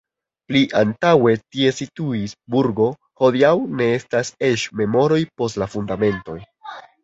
Pli antaŭe tie situis burgo, hodiaŭ ne estas eĉ memoroj post la fundamentoj.